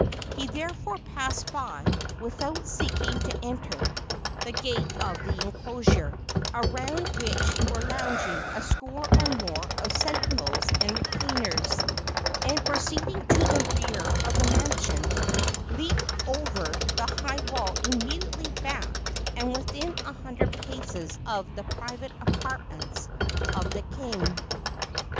He therefore passed by, without seeking to enter, the gate of the enclosure, around which were lounging a score or more of sentinels and retainers, and, proceeding to the rear of the mansion, leaped over the high wall immediately back and within a hundred paces of the private apartments of the king.